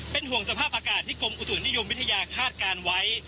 เป็นห่วงสภาพอากาศที่กรมอุตุนิยมวิทยาคาดการณ์ไว้